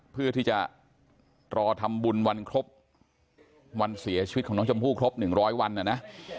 เพื่อที่จะรอทำบุญวันครบวันเสียชีวิตของน้องชมพู่ครบ๑๐๐วันนะนะ